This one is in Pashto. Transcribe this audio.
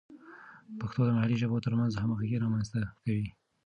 پښتو د محلي ژبو ترمنځ همغږي رامینځته کوي.